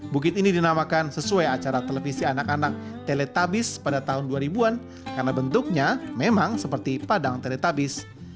bukit ini dinamakan sesuai acara televisi anak anak teletabis pada tahun dua ribu an karena bentuknya memang seperti padang teletabis